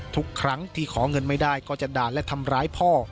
ทุกครั้งที่ขอเงินไม่ได้ก็จะด่าและทำร้ายพ่อ